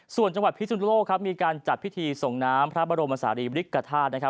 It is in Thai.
ส่วนจังหวัดพิสุนโลกมีการจัดพิธีส่งน้ำพระบรมศาลีบริกฐาตุ